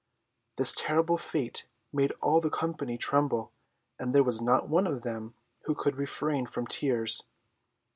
This terrible fate made all the company tremble, and there was not one of them who could refrain from tears.